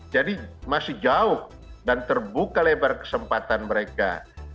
jadi masih jauh dan terbuka lebar kesempatan mereka